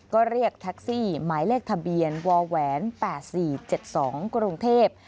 ก็เรียกแท็กซี่หมายเลขทะเบียนวแหวน๘๔๗๒กรุงเทพฯ